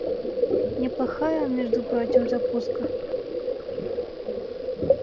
Неплохая, между прочим, закуска.